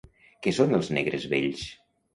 Què són els Negres vells?